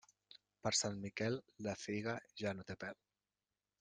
Per Sant Miquel, la figa ja no té pèl.